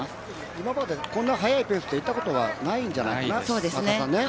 今までこんなに速いペースで行ったことはないんじゃない。